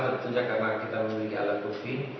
harusnya karena kita memiliki alat bukti